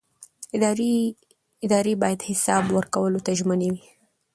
ادارې باید حساب ورکولو ته ژمنې وي